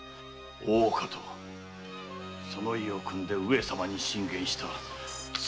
大岡とその意を汲んで上様に進言した側用人・有馬だ！